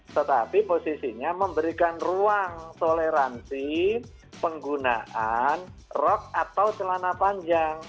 tetapi posisinya memberikan ruang toleransi penggunaan rok atau celana panjang